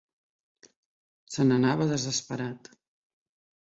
Se'n anava desesperat